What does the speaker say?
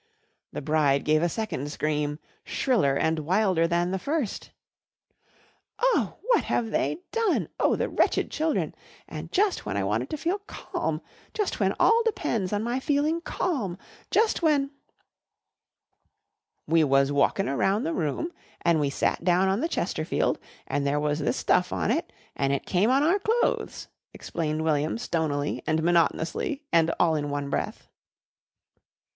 The bride gave a second scream shriller and wilder than the first. "Oh, what have they done? Oh, the wretched children! And just when I wanted to feel calm. Just when all depends on my feeling calm. Just when " "We was walkin' round the room an' we sat down on the Chesterfield and there was this stuff on it an' it came on our clothes," explained William stonily and monotonously and all in one breath.